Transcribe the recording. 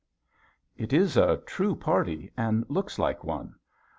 It is a true party and looks like one.